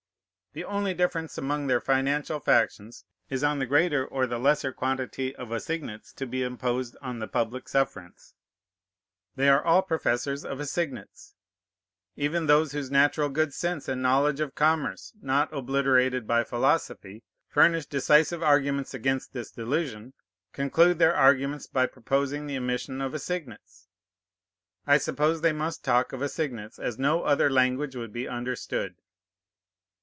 The only difference among their financial factions is on the greater or the lesser quantity of assignats to be imposed on the public sufferance. They are all professors of assignats. Even those whose natural good sense and knowledge of commerce, not obliterated by philosophy, furnish decisive arguments against this delusion, conclude their arguments by proposing the emission of assignats. I suppose they must talk of assignats, as no other language would be understood.